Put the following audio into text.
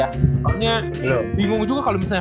pokoknya bingung juga kalau misalnya